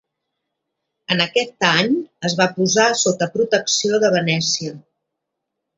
En aquest any es va posar sota protecció de Venècia.